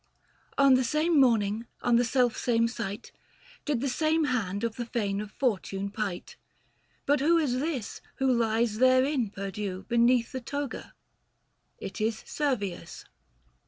On the same morning, on the selfsame site, Did the same hand the fane of Fortune pight. 685 But who is this who lies therein perdue Beneath the toga ? It is Servius.